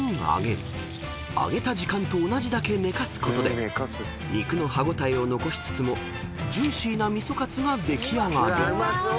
［揚げた時間と同じだけ寝かすことで肉の歯応えを残しつつもジューシーなみそかつが出来上がる］